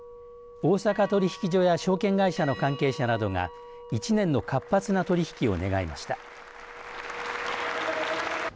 大阪取引所や証券会社の関係者などが１年の活発な取り引きを願いました。